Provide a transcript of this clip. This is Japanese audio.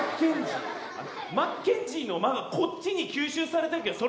マッケンジーの「マ」がこっちに吸収されてるけどそれはいいの？